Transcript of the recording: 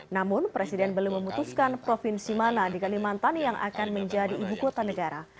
namun presiden belum memutuskan provinsi mana di kalimantan yang akan menjadi ibu kota negara